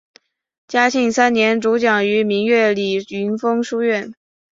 嘉庆三年主讲于明月里云峰书院。